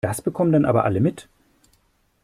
Das bekommen dann aber alle mit.